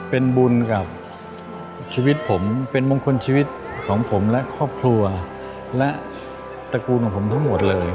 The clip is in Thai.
เป็นบุญกับชีวิตผมเป็นมงคลชีวิตของผมและครอบครัวและตระกูลของผมทั้งหมดเลย